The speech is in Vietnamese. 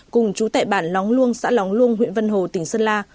cùng chú tại bản lóng luông xã lóng luông huyện vân hồ tỉnh sơn la